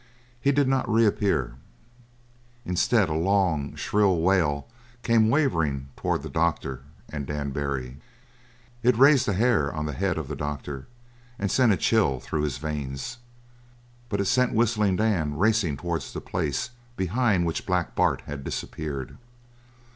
He did not reappear. Instead, a long, shrill wail came wavering towards the doctor and Dan Barry. It raised the hair on the head of the doctor and sent a chill through his veins; but it sent Whistling Dan racing towards the place behind which Black Bart had disappeared.